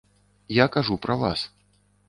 Я кажу пра вас.